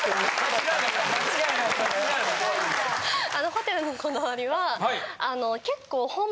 ・ホテルのこだわりは結構。